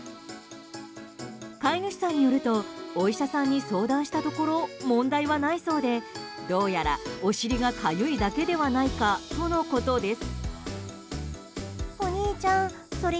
飼い主さんによるとお医者さんに相談したところ問題はないそうでどうやら、お尻がかゆいだけではないかとのことです。